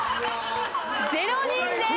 ０人です。